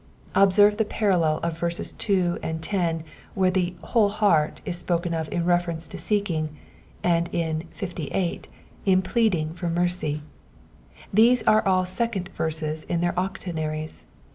Observe the parallel of verses 2 and 10 where the wJiole heart is spoken of in reference to seeking, and in 58 in pleading for mercy ; these are all second verses in their oc.tonaries.